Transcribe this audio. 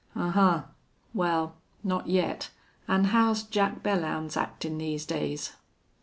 "Ahuh! Well, not yet.... An' how's Jack Belllounds actin' these days?"